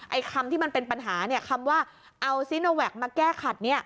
คำที่มันเป็นปัญหาคำว่าเอาซีโนแวคมาแก้ขัด